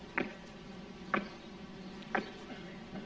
dusun kehajauan pinchik cincin